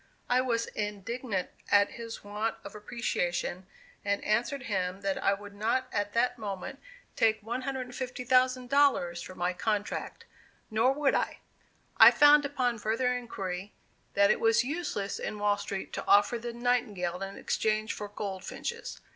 I was indignant at his want of appreciation, and answered him that I would not at that moment take $150,000 for my contract; nor would I. I found, upon further inquiry, that it was useless in Wall Street to offer the "Nightingale" in exchange for Goldfinches.